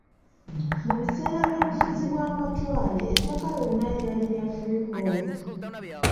Mu biseera by'obufuzi bw'amatwale ettaka lyonna lyali lya freehold.